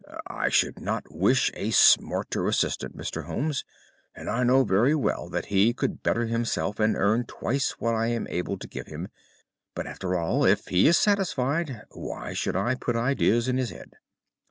I should not wish a smarter assistant, Mr. Holmes; and I know very well that he could better himself and earn twice what I am able to give him. But, after all, if he is satisfied, why should I put ideas in his head?"